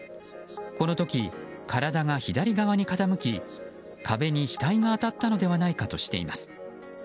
この時、体が左側に傾き壁に額が当たったのではないかとしています。